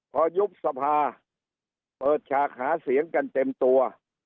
พอยุบสภาเปิดฉากหาเสียงกันเต็มตัว